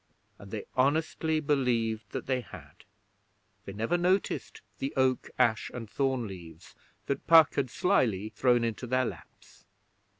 And they honestly believed that they had. They never noticed the Oak, Ash and Thorn leaves that Puck had slyly thrown into their laps.